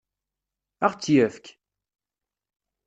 Ad ɣ-tt-yefk?